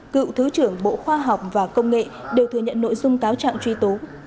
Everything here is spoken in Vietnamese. cựu thứ trưởng bộ khoa học và công nghệ đều thừa nhận nội dung cáo trạng truy tố